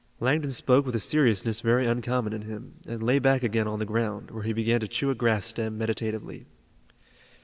Langdon spoke with a seriousness very uncommon in him, and lay back again on the ground, where he began to chew a grass stem meditatively.